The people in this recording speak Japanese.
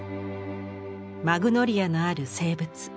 「マグノリアのある静物」。